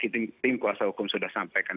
tim kuasa hukum sudah sampaikan